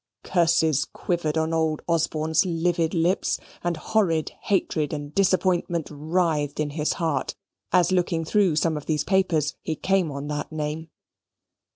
Curses quivered on old Osborne's livid lips, and horrid hatred and disappointment writhed in his heart, as looking through some of these papers he came on that name.